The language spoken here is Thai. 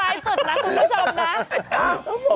คนนี้รายตุดนะคุณผู้ชมนะ